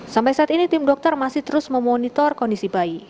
sampai saat ini tim dokter masih terus memonitor kondisi bayi